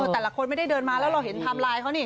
แต่ละคนไม่ได้เดินมาแล้วเราเห็นไทม์ไลน์เขานี่